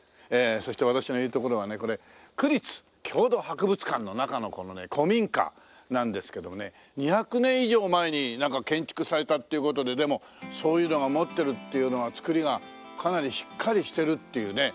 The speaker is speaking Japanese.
そして私のいる所はねこれ区立郷土博物館の中のこのね古民家なんですけどもね２００年以上前に建築されたっていう事ででもそういうのが持ってるっていうのは造りがかなりしっかりしてるっていうね。